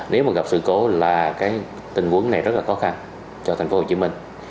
nếu mà gặp sự cố là tình huống này rất là khó khăn cho tp hcm